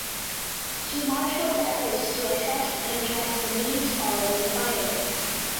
He marshalled efforts to assess and address the needs following the fire.